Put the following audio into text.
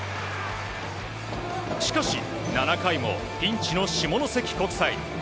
しかし、７回もピンチの下関国際。